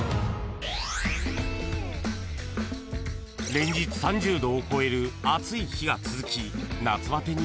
［連日３０℃を超える暑い日が続き夏バテに悩まされていた］